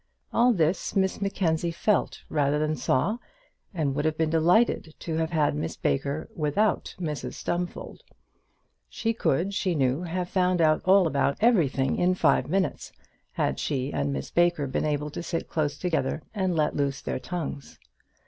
All this Miss Mackenzie felt rather than saw, and would have been delighted to have had Miss Baker without Mrs Stumfold. She could, she knew, have found out all about everything in five minutes, had she and Miss Baker been able to sit close together and to let their tongues loose.